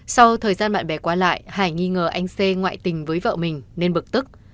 sau thời gian bạn bè qua lại hải nghi ngờ anh xê ngoại tình với vợ mình nên bực tức